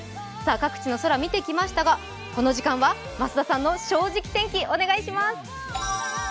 各地の空見てきましたが、この時間は増田さんの「正直天気」お願いします。